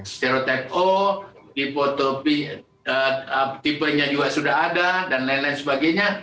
sero type o tipenya juga sudah ada dan lain lain sebagainya